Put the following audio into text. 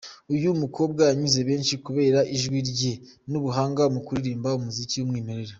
Uyu mukobwa yanyuze benshi kubera ijwi rye n’ubuhanga mu kuririmba umuziki w’umwimerere.